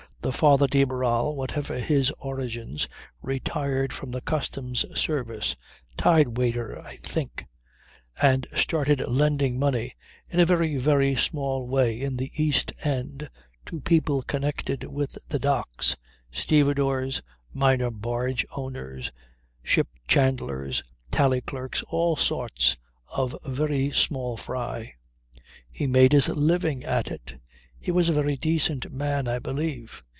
The father de Barral whatever his origins retired from the Customs Service (tide waiter I think), and started lending money in a very, very small way in the East End to people connected with the docks, stevedores, minor barge owners, ship chandlers, tally clerks, all sorts of very small fry. He made his living at it. He was a very decent man I believe.